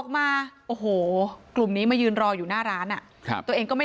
มาโอ้โหกลุ่มนี้มายืนรออยู่หน้าร้านอ่ะครับตัวเองก็ไม่